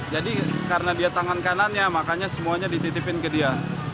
jadi karena dia tangan kanannya makanya semuanya dititipin ke dia